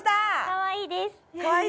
かわいいです。